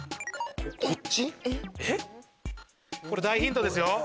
こっち⁉これ大ヒントですよ。